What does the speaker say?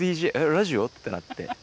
ラジオ？ってなって。